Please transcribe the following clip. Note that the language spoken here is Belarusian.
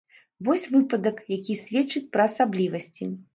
Вось выпадак, які сведчыць пра асаблівасці.